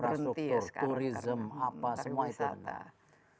infrastruktur turism apa semua itu